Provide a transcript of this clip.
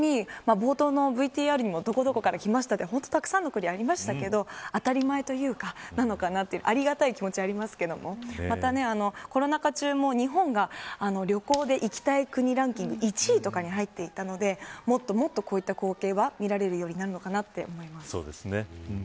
冒頭のＶＴＲにもどこどこから来ましたってたくさんの国がありましたけど当たり前なのかなというありがたい気持ちありますけどもコロナ禍中も、日本が旅行で行きたい国ランキング１位とかに入っていたのでもっともっとこういった光景が見られるようになるのかなそうですね。